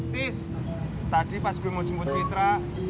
kamu mau jemput citra